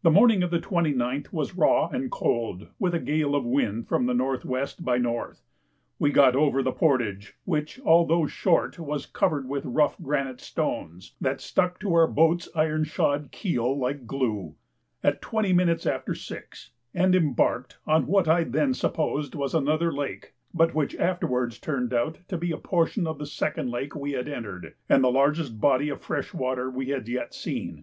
The morning of the 29th was raw and cold, with a gale of wind from N.W. by N. We got over the portage (which, although short, was covered with rough granite stones that stuck to our boat's iron shod keel like glue) at 20 minutes after 6, and embarked on what I then supposed was another lake, but which afterwards turned out to be a portion of the second lake we had entered, and the largest body of fresh water we had yet seen.